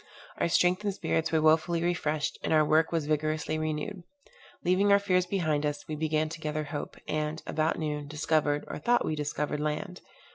Our strength and spirits were wonderfully refreshed, and our work was vigorously renewed. Leaving our fears behind us, we began to gather hope, and, about noon, discovered, or thought that we discovered, land.